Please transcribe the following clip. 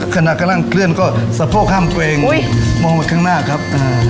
ขณะกำลังเคลื่อนก็สะโพกห้ามตัวเองมองไปข้างหน้าครับ